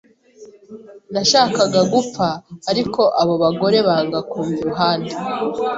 Nashakaga gupfa, ariko abo bagore banga kumva iruhande,